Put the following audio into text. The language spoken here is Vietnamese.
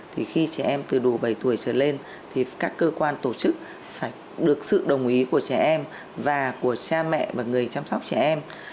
thì khi trẻ em từ đủ bảy tuổi trở lên thì các cơ quan tổ chức phải được sự đồng ý của trẻ em và của cha mẹ và người chăm sóc trẻ em